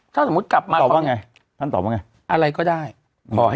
ถ้าสมมติกลับมา